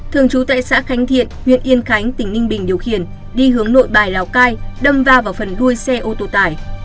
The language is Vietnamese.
thường trú tại xã khánh thiện huyện yên khánh tỉnh ninh bình điều khiển đi hướng nội bài lào cai đâm va vào phần đuôi xe ô tô tải